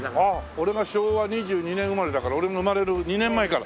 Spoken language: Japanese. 俺が昭和２２年生まれだから俺が生まれる２年前から。